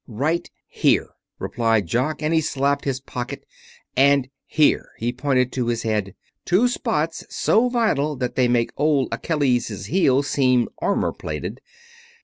"Right here!" replied Jock, and he slapped his pocket, "and here," he pointed to his head. "Two spots so vital that they make old Achilles's heel seem armor plated.